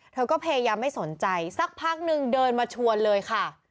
เธอก็พยายามไม่สนใจสักพักนึงเดินมาชวนเลยค่ะ